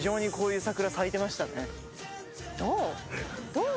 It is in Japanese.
どう？